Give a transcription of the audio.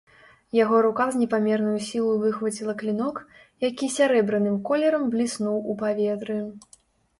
Яго рука з непамернаю сілаю выхваціла клінок, які сярэбраным колерам бліснуў у паветры.